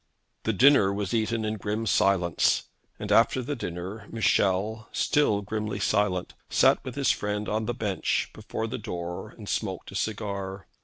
The dinner was eaten in grim silence, and after the dinner Michel, still grimly silent, sat with his friend on the bench before the door and smoked a cigar.